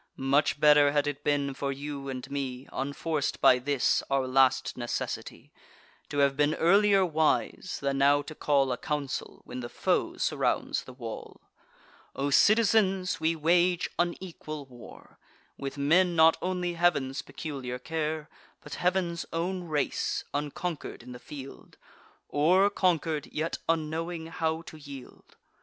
Much better had it been for you and me, Unforc'd by this our last necessity, To have been earlier wise, than now to call A council, when the foe surrounds the wall. O citizens, we wage unequal war, With men not only Heav'n's peculiar care, But Heav'n's own race; unconquer'd in the field, Or, conquer'd, yet unknowing how to yield.